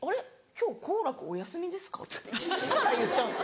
今日幸楽お休みですか」って父から言ったんですよ。